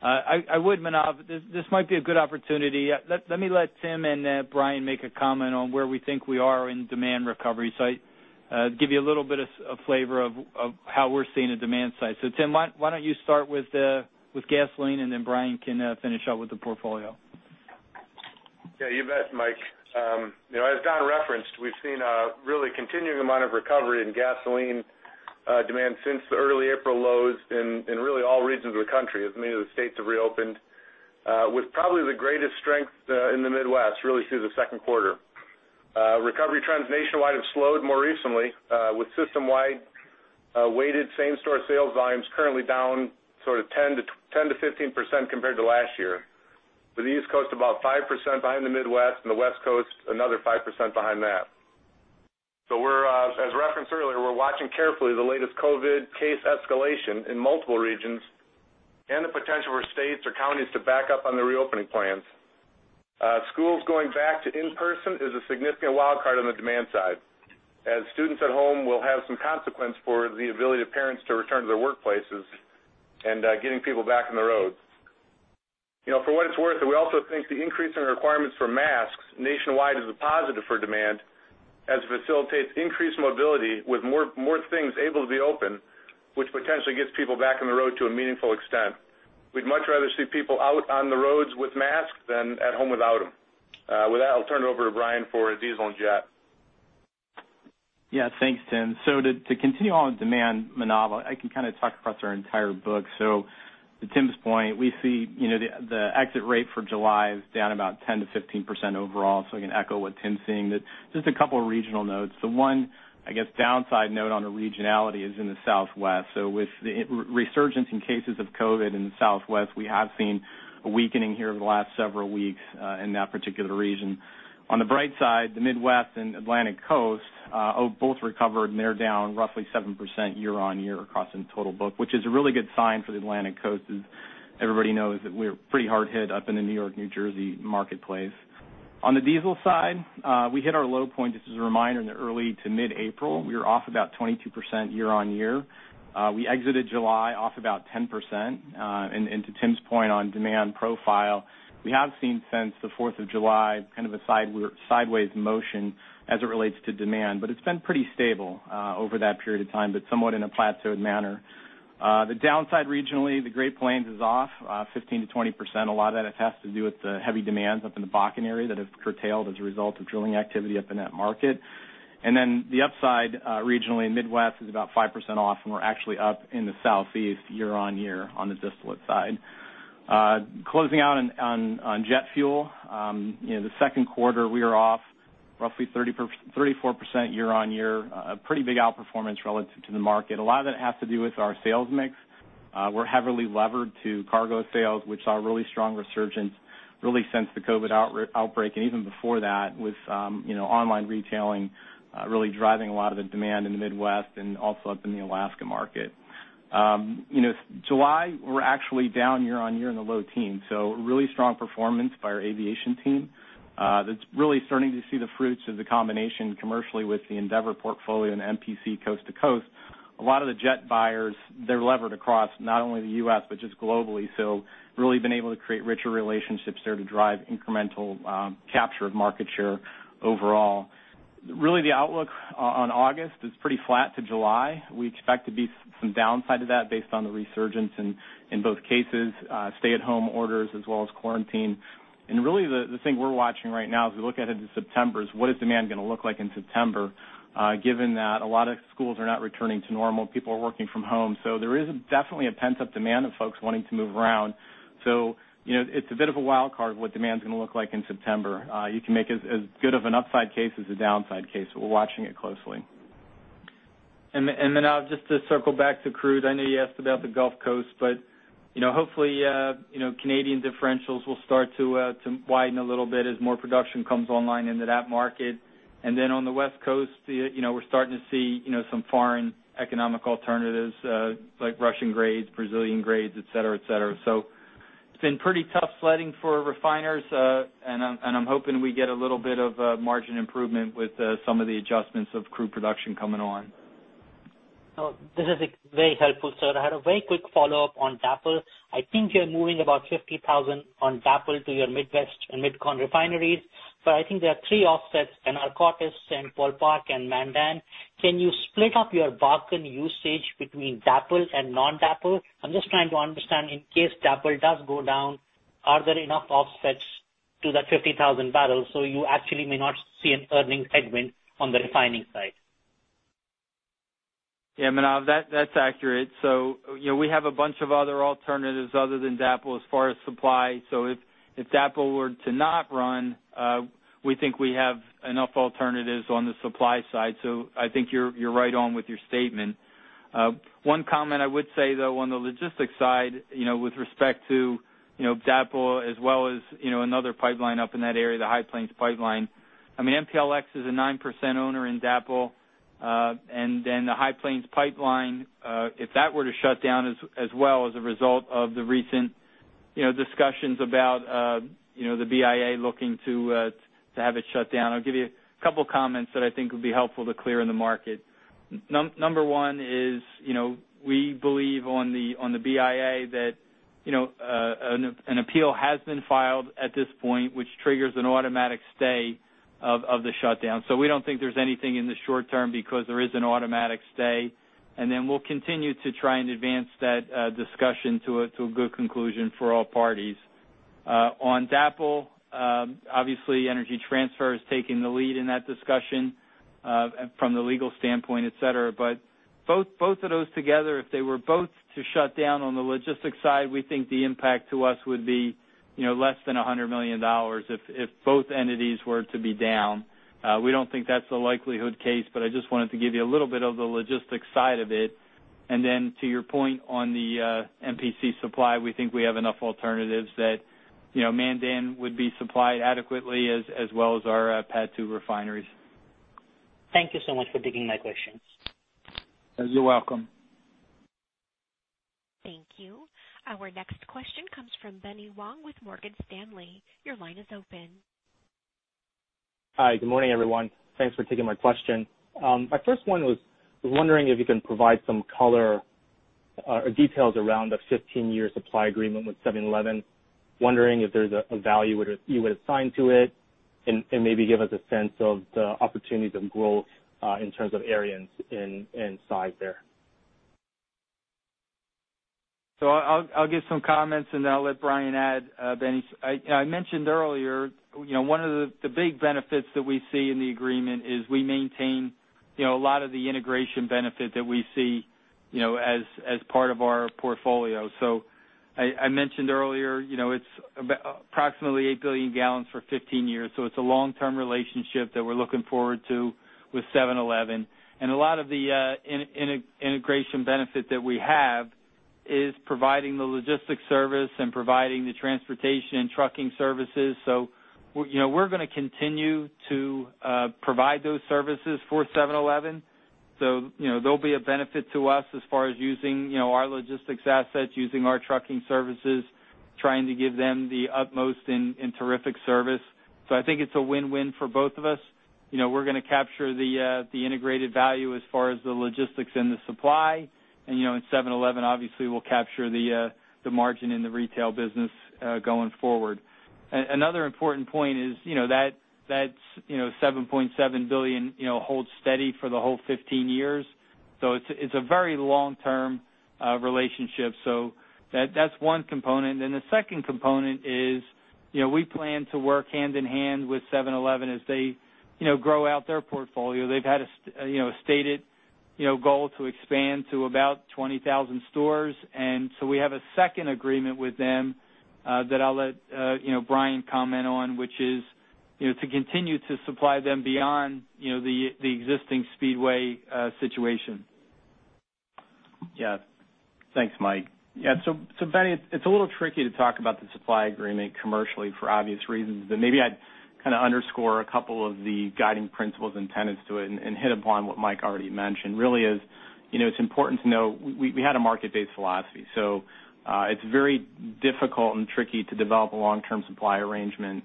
Manav, this might be a good opportunity. Let me let Tim and Brian make a comment on where we think we are in demand recovery. Give you a little bit of flavor of how we're seeing the demand side. Tim, why don't you start with gasoline, and then Brian can finish up with the portfolio. You bet, Mike. As Don referenced, we've seen a really continuing amount of recovery in gasoline demand since the early April lows in really all regions of the country, as many of the states have reopened, with probably the greatest strength in the Midwest, really through the Q2. Recovery trends nationwide have slowed more recently, with system-wide weighted same-store sales volumes currently down 10%-15% compared to last year. The East Coast, about five percent behind the Midwest, and the West Coast, another five percent behind that. As referenced earlier, we're watching carefully the latest COVID-19 case escalation in multiple regions and the potential for states or counties to back up on their reopening plans. Schools going back to in-person is a significant wild card on the demand side, as students at home will have some consequence for the ability of parents to return to their workplaces and getting people back on the road. For what it's worth, we also think the increase in requirements for masks nationwide is a positive for demand, as it facilitates increased mobility with more things able to be open, which potentially gets people back on the road to a meaningful extent. We'd much rather see people out on the roads with masks than at home without them. With that, I'll turn it over to Brian for diesel and jet. Thanks, Tim. To continue on with demand, Manav, I can kind of talk across our entire book. To Tim's point, we see the exit rate for July is down about 10%-15% overall. Just a couple of regional notes. One, I guess, downside note on the regionality is in the Southwest. With the resurgence in cases of COVID in the Southwest, we have seen a weakening here over the last several weeks in that particular region. On the bright side, the Midwest and Atlantic Coast both recovered, and they're down roughly seven percent year-on-year across in total book, which is a really good sign for the Atlantic Coast, as everybody knows that we were pretty hard hit up in the New York-New Jersey marketplace. On the diesel side, we hit our low point, just as a reminder, in the early to mid-April. We were off about 22% year-over-year. We exited July off about 10%. To Tim's point on demand profile, we have seen since the July 4th kind of a sideways motion as it relates to demand, but it's been pretty stable over that period of time, but somewhat in a plateaued manner. The downside regionally, the Great Plains is off 15%-20%. A lot of that has to do with the heavy demands up in the Bakken area that have curtailed as a result of drilling activity up in that market. The upside regionally, Midwest is about five percent off, and we're actually up in the Southeast year-over-year on the distillate side. Closing out on jet fuel. The Q2, we are off roughly 34% year-over-year. A pretty big outperformance relative to the market. A lot of that has to do with our sales mix. We're heavily levered to cargo sales, which saw a really strong resurgence really since the COVID outbreak, and even before that, with online retailing really driving a lot of the demand in the Midwest and also up in the Alaska market. July, we're actually down year-on-year in the low teens. Really strong performance by our aviation team. That's really starting to see the fruits of the combination commercially with the Andeavor portfolio and MPC coast to coast. A lot of the jet buyers, they're levered across not only the U.S. but just globally. Really been able to create richer relationships there to drive incremental capture of market share overall. Really, the outlook on August is pretty flat to July. We expect to be some downside to that based on the resurgence in both cases, stay-at-home orders as well as quarantine. Really, the thing we're watching right now, as we look ahead to September, is what is demand going to look like in September, given that a lot of schools are not returning to normal, people are working from home. There is definitely a pent-up demand of folks wanting to move around. It's a bit of a wild card what demand is going to look like in September. You can make as good of an upside case as a downside case. We're watching it closely. Manav, just to circle back to crude. I know you asked about the Gulf Coast. Hopefully, Canadian differentials will start to widen a little bit as more production comes online into that market. On the West Coast, we're starting to see some foreign economic alternatives, like Russian grades, Brazilian grades, et cetera. It's been pretty tough sledding for refiners, and I'm hoping we get a little bit of margin improvement with some of the adjustments of crude production coming on. This is very helpful, sir. I had a very quick follow-up on DAPL. I think you're moving about 50,000 on DAPL to your Midwest and MidCon refineries, but I think there are three offsets in Anacortes, St. Paul Park, and Mandan. Can you split up your Bakken usage between DAPL and non-DAPL? I'm just trying to understand in case DAPL does go down, are there enough offsets to that 50,000 barrels, so you actually may not see an earnings headwind on the refining side? Yeah, Manav, that's accurate. We have a bunch of other alternatives other than DAPL as far as supply. If DAPL were to not run, we think we have enough alternatives on the supply side. I think you're right on with your statement. One comment I would say, though, on the logistics side, with respect to DAPL as well as another pipeline up in that area, the High Plains Pipeline. I mean, MPLX is a nine percent owner in DAPL, and then the High Plains Pipeline, if that were to shut down as well as a result of the recent discussions about the BIA looking to have it shut down. I'll give you a couple of comments that I think would be helpful to clear in the market. Number one is, we believe on the BIA that an appeal has been filed at this point, which triggers an automatic stay of the shutdown. We don't think there's anything in the short term because there is an automatic stay, and then we'll continue to try and advance that discussion to a good conclusion for all parties. On DAPL, obviously, Energy Transfer is taking the lead in that discussion from the legal standpoint, et cetera. Both of those together, if they were both to shut down on the logistics side, we think the impact to us would be less than $100 million if both entities were to be down. We don't think that's the likelihood case, I just wanted to give you a little bit of the logistics side of it. To your point on the MPC supply, we think we have enough alternatives that Mandan would be supplied adequately, as well as our PADD II refineries. Thank you so much for taking my questions. You're welcome. Thank you. Our next question comes from Benny Wong with Morgan Stanley. Your line is open. Hi. Good morning, everyone. Thanks for taking my question. My first one was, I was wondering if you can provide some color or details around the 15-year supply agreement with seven-Eleven. Wondering if there's a value you would assign to it, and maybe give us a sense of the opportunities of growth, in terms of areas and size there. I'll give some comments, and then I'll let Brian add, Benny. I mentioned earlier, one of the big benefits that we see in the agreement is we maintain a lot of the integration benefit that we see as part of our portfolio. I mentioned earlier, it's approximately eight billion gallons for 15 years. It's a long-term relationship that we're looking forward to with seven-Eleven. A lot of the integration benefit that we have is providing the logistics service and providing the transportation and trucking services. We're going to continue to provide those services for seven-Eleven. They'll be a benefit to us as far as using our logistics assets, using our trucking services, trying to give them the utmost and terrific service. I think it's a win-win for both of us. We're going to capture the integrated value as far as the logistics and the supply. seven-Eleven obviously will capture the margin in the retail business going forward. Another important point is that $7.7 billion holds steady for the whole 15 years. It's a very long-term relationship. That's one component. The second component is, we plan to work hand-in-hand with seven-Eleven as they grow out their portfolio. They've had a stated goal to expand to about 20,000 stores. We have a second agreement with them that I'll let Brian comment on, which is to continue to supply them beyond the existing Speedway situation. Thanks, Mike. Benny, it's a little tricky to talk about the supply agreement commercially for obvious reasons. Maybe I'd kind of underscore a couple of the guiding principles and tenets to it and hit upon what Mike already mentioned. It's important to know we had a market-based philosophy. It's very difficult and tricky to develop a long-term supply arrangement.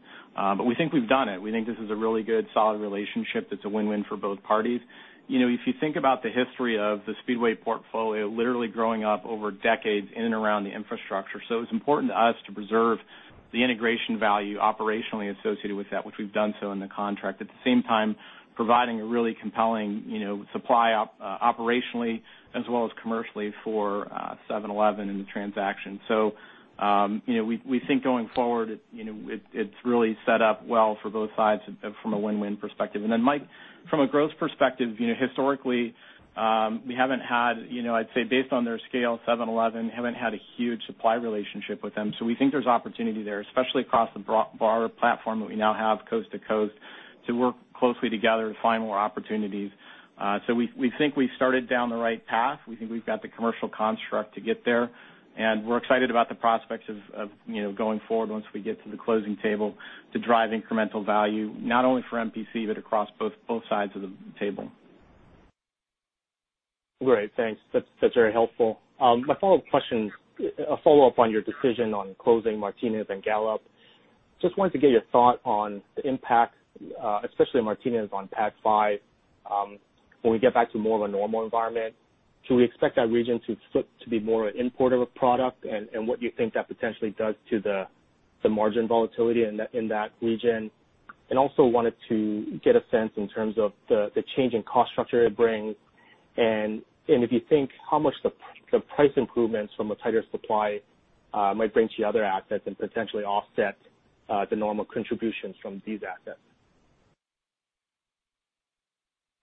We think we've done it. We think this is a really good, solid relationship that's a win-win for both parties. If you think about the history of the Speedway portfolio, literally growing up over decades in and around the infrastructure, so it was important to us to preserve the integration value operationally associated with that, which we've done so in the contract. At the same time, providing a really compelling supply operationally as well as commercially for seven-Eleven in the transaction. We think going forward, it's really set up well for both sides from a win-win perspective. Mike, from a growth perspective, historically, we haven't had, I'd say based on their scale, seven-Eleven, we haven't had a huge supply relationship with them. We think there's opportunity there, especially across the bar platform that we now have coast to coast, to work closely together to find more opportunities. We think we've started down the right path. We think we've got the commercial construct to get there, and we're excited about the prospects of going forward once we get to the closing table to drive incremental value, not only for MPC, but across both sides of the table. Great. Thanks. That's very helpful. My follow-up question, a follow-up on your decision on closing Martinez and Gallup. Just wanted to get your thought on the impact, especially Martinez on PADD V when we get back to more of a normal environment. Should we expect that region to be more an importer of product? What do you think that potentially does to the margin volatility in that region? Also wanted to get a sense in terms of the change in cost structure it brings, and if you think how much the price improvements from a tighter supply might bring to the other assets and potentially offset the normal contributions from these assets.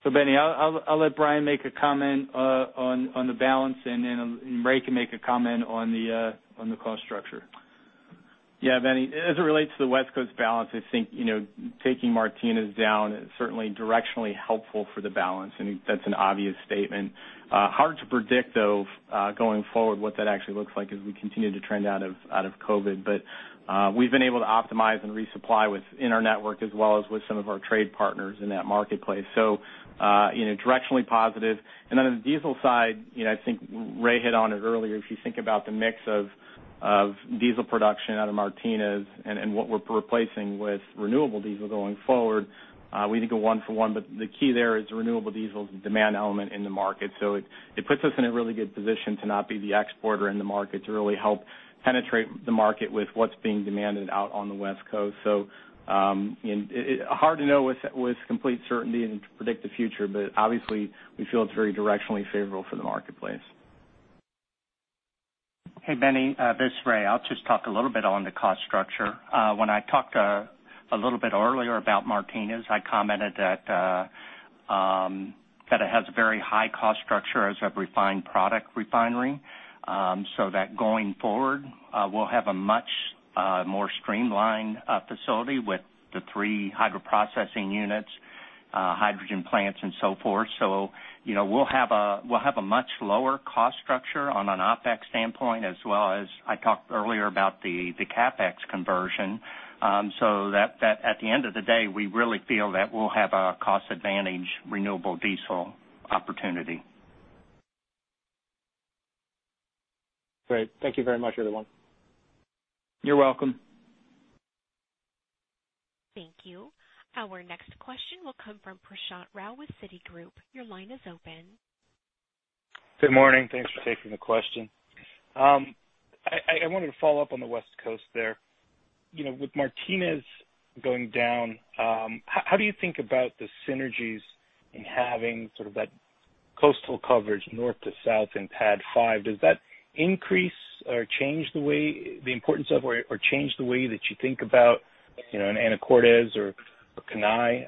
Benny, I'll let Brian make a comment on the balance, and then Ray can make a comment on the cost structure. Benny, as it relates to the West Coast balance, I think taking Martinez down is certainly directionally helpful for the balance, and that's an obvious statement. Hard to predict, though, going forward what that actually looks like as we continue to trend out of COVID. We've been able to optimize and resupply within our network as well as with some of our trade partners in that marketplace. Directionally positive. On the diesel side, I think Ray hit on it earlier. If you think about the mix of diesel production out of Martinez and what we're replacing with renewable diesel going forward, we need to go one for one, but the key there is renewable diesel is a demand element in the market. It puts us in a really good position to not be the exporter in the market, to really help penetrate the market with what's being demanded out on the West Coast. Hard to know with complete certainty and to predict the future, but obviously, we feel it's very directionally favorable for the marketplace. Hey, Benny, this is Ray. I'll just talk a little bit on the cost structure. When I talked a little bit earlier about Martinez, I commented that it has a very high cost structure as a refined product refinery. That going forward, we'll have a much more streamlined facility with the three hydroprocessing units, hydrogen plants, and so forth. We'll have a much lower cost structure on an OPEX standpoint, as well as I talked earlier about the CapEx conversion. At the end of the day, we really feel that we'll have a cost advantage renewable diesel opportunity. Great. Thank you very much, everyone. You're welcome. Thank you. Our next question will come from Prashant Rao with Citigroup. Your line is open. Good morning. Thanks for taking the question. I wanted to follow up on the West Coast there. With Martinez going down, how do you think about the synergies in having sort of that coastal coverage north to south in PADD V? Does that increase or change the way the importance of, or change the way that you think about an Anacortes or a Kenai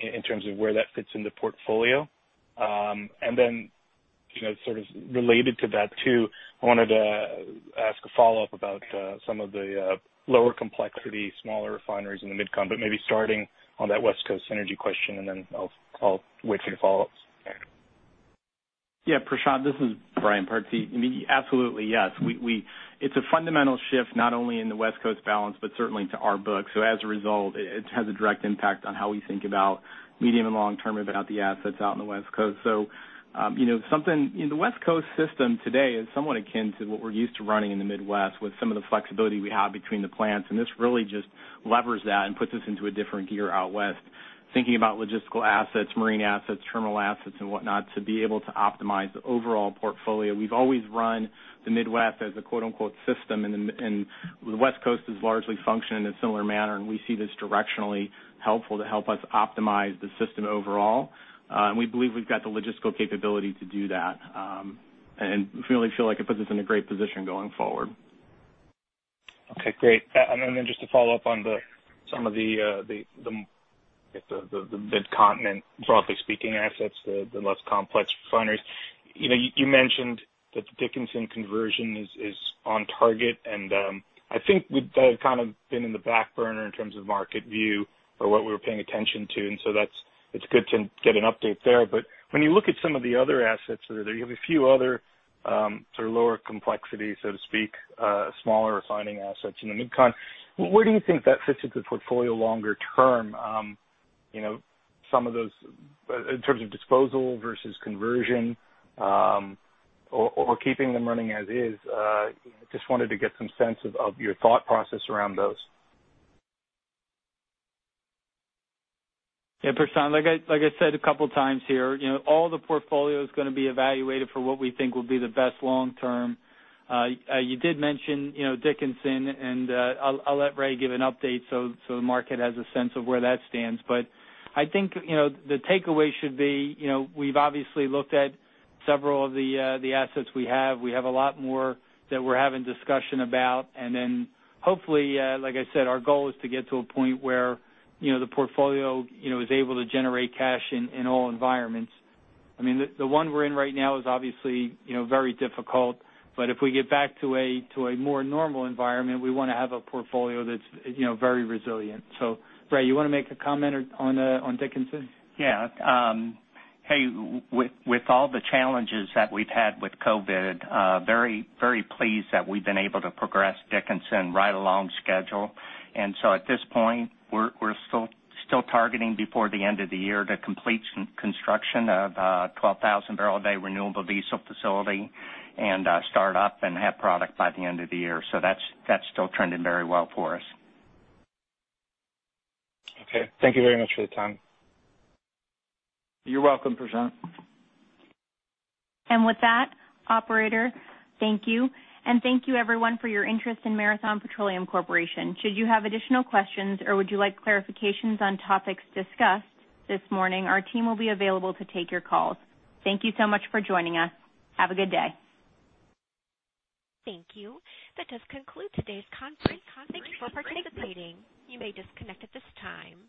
in terms of where that fits in the portfolio? Then sort of related to that too, I wanted to ask a follow-up about some of the lower complexity, smaller refineries in the mid-con, but maybe starting on that West Coast synergy question, and then I'll wait for the follow-ups. Thanks. Prashant, this is Brian Pardi. Absolutely, yes. It's a fundamental shift not only in the West Coast balance, but certainly to our book. As a result, it has a direct impact on how we think about medium and long-term about the assets out in the West Coast. The West Coast system today is somewhat akin to what we're used to running in the Midwest with some of the flexibility we have between the plants, and this really just levers that and puts us into a different gear out west. Thinking about logistical assets, marine assets, terminal assets, and whatnot, to be able to optimize the overall portfolio. We've always run the Midwest as a quote-unquote system, and the West Coast is largely functioning in a similar manner, and we see this directionally helpful to help us optimize the system overall. We believe we've got the logistical capability to do that. We really feel like it puts us in a great position going forward. Okay, great. Then just to follow up on some of the mid-continent, broadly speaking assets, the less complex refineries. You mentioned that the Dickinson conversion is on target, and I think that has kind of been in the back burner in terms of market view or what we were paying attention to, and so it's good to get an update there. When you look at some of the other assets that are there, you have a few other sort of lower complexity, so to speak, smaller refining assets in the mid-con. Where do you think that fits into the portfolio longer term? In terms of disposal versus conversion, or keeping them running as is. Just wanted to get some sense of your thought process around those. Yeah, Prashant, like I said a couple times here, all the portfolio is going to be evaluated for what we think will be the best long term. You did mention Dickinson, and I'll let Ray give an update so the market has a sense of where that stands. I think, the takeaway should be, we've obviously looked at several of the assets we have. We have a lot more that we're having discussion about, and then hopefully, like I said, our goal is to get to a point where the portfolio is able to generate cash in all environments. I mean, the one we're in right now is obviously very difficult. If we get back to a more normal environment, we want to have a portfolio that's very resilient. Ray, you want to make a comment on Dickinson? Yeah. Hey, with all the challenges that we've had with COVID, very pleased that we've been able to progress Dickinson right along schedule. At this point, we're still targeting before the end of the year to complete construction of a 12,000-barrel-a-day renewable diesel facility and start up and have product by the end of the year. That's still trending very well for us. Okay. Thank you very much for your time. You're welcome, Prashant. With that, operator, thank you. Thank you everyone for your interest in Marathon Petroleum Corporation. Should you have additional questions or would you like clarifications on topics discussed this morning, our team will be available to take your calls. Thank you so much for joining us. Have a good day. Thank you. That does conclude today's conference. Thank you for participating. You may disconnect at this time.